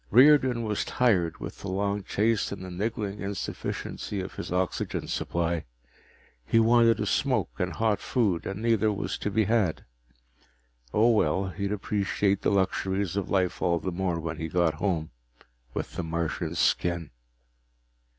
Riordan was tired with the long chase and the niggling insufficiency of his oxygen supply. He wanted a smoke and hot food, and neither was to be had. Oh, well, he'd appreciate the luxuries of life all the more when he got home with the Martian's skin.